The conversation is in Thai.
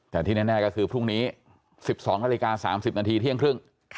แต่ที่แน่ก็คือพรุ่งนี้๑๒นาฬิกา๓๐นาทีเที่ยงครึ่ง